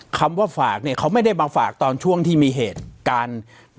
คำว่าฝากเนี่ยเขาไม่ได้มาฝากตอนช่วงที่มีเหตุการณ์